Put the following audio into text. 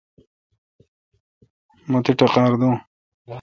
مہ تی ٹقار دوں۔